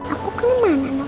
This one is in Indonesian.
aku kemana nuk